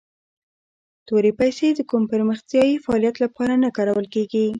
تورې پیسي د کوم پرمختیایي فعالیت لپاره نه کارول کیږي.